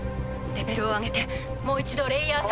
レベルを上げてもう一度レイヤー３３。